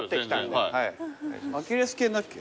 アキレス腱だっけ？